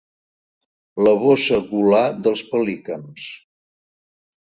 La bossa gular dels pelicans.